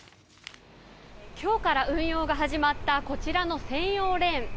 今日から運用が始まったこちらの専用レーン。